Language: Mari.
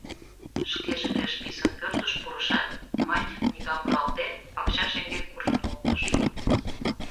Шкеже пеш писын пӧртыш пурышат, «Мать» книгам руалтен, пакча шеҥгек куржын колтыш.